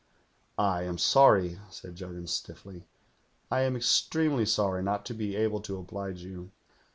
"'I am sorry,' said Juggins stiffly. 'I am ex tremely sorry not to be able to oblige you.